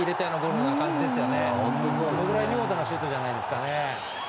そのぐらい見事なシュートじゃないですかね。